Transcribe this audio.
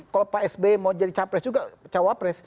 kalau pak sby mau jadi capres juga cawapres